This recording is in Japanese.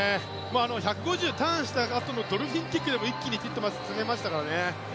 １５０をターンしたあとのドルフィンキックでも一気にティットマス詰めましたからね。